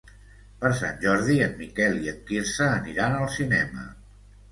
Per Sant Jordi en Miquel i en Quirze aniran al cinema.